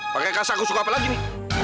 pakai kasar aku suka apa lagi nih